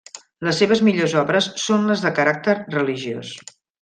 Les seves millors obres són les de caràcter religiós.